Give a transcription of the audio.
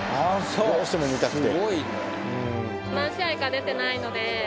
どうしても見たくて。